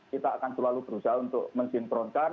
kita akan selalu berusaha untuk mensinkronkan